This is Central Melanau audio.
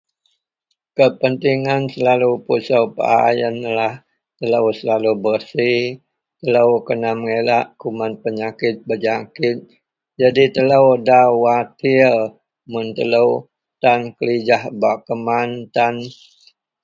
Kepentingan selalu pusuok paa iyenlah telo selalu bersi telo kena mengelak kuman penyakit bejangkit jadi telo da watir mun telo tan kalijah bak keman tan.